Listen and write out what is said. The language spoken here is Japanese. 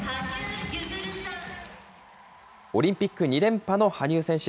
オリンピック２連覇の羽生選手。